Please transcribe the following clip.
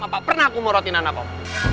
apa pernah aku morotin anak om